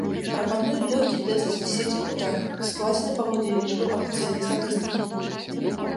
Прапануем лёгкі тэст з дзесяці пытанняў, складзены паводле лічбаў афіцыйнай статыстыкі.